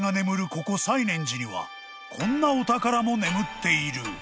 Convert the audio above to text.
ここ西念寺にはこんなお宝も眠っている］